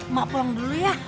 mak pulang dulu ya